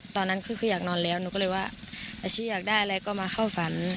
ตอนนั้นคืออยากนอนแล้วหนูก็เลยว่าอาชีพอยากได้อะไรก็มาเข้าฝัน